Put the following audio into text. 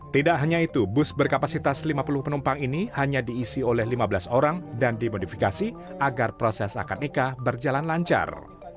tidak hanya itu bus berkapasitas lima puluh penumpang ini hanya diisi oleh lima belas orang dan dimodifikasi agar proses akad nikah berjalan lancar